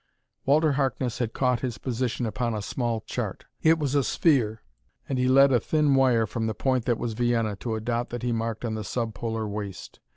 Walter Harkness had caught his position upon a small chart. It was a sphere, and he led a thin wire from the point that was Vienna to a dot that he marked on the sub polar waste.